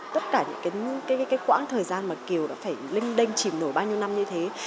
tất cả những cái quãng thời gian mà kiều đã phải linh đênh chìm nổi bao nhiêu năm như thế